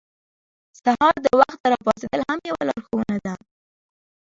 سهار د وخته راپاڅېدل هم یوه لارښوونه ده.